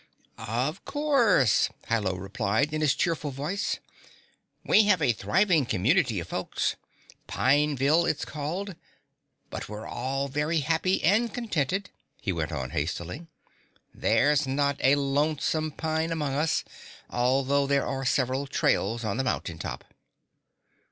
"Of course," Hi Lo replied in his cheerful voice. "We have a thriving community of folks Pineville it's called. But we're all very happy and contented," he went on hastily. "There's not a lonesome pine among us, although there are several trails on the mountain top."